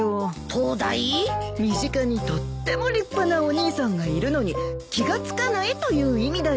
身近にとっても立派なお兄さんがいるのに気が付かないという意味だよ。